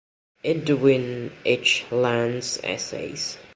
Edwin H. Land's Essays.